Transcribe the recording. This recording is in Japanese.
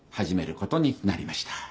始めることになりました。